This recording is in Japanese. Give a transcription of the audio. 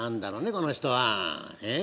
この人は。ええ？